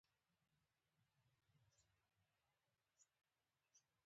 جاپان له اقتصادي پلوه وروسته پاتې هېواد و.